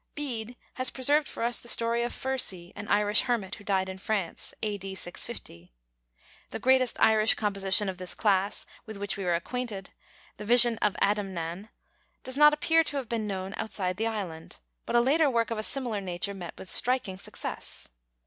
Bede has preserved for us the story of Fursey, an Irish hermit who died in France, A.D. 650. The greatest Irish composition of this class with which we are acquainted, the Vision of Adamnan, does not appear to have been known outside the island, but a later work of a similar nature met with striking success.